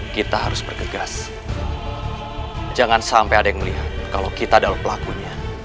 kita harus bergegas jangan sampai ada yang melihat kalau kita adalah pelakunya